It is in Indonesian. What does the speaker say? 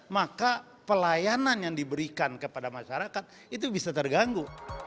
maka pelayanan yang diberikan kepada masyarakat itu bisa terganggu